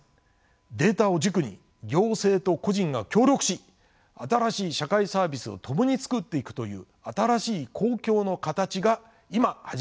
データを軸に行政と個人が協力し新しい社会サービスを共につくっていくという新しい公共のカタチが今始まろうとしています。